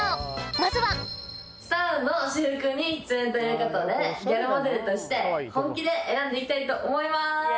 まずはスターの私服に出演ということでギャルモデルとして本気で選んでみたいと思います！